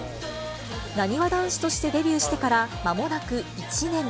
なにわ男子としてデビューしてから、まもなく１年。